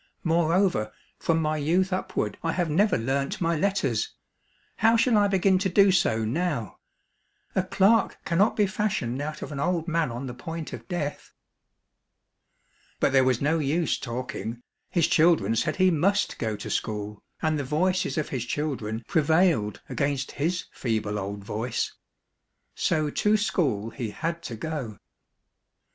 Moreover, from my youth up ward I have never learnt my letters ; how shall I begin to djo so now } A clerk cannot be fashioned out of an old man on the point of death !" But there was no use talking, his children said he must go to school, and the voices of his children prevailed against his feeble old voice. So to school he had to go.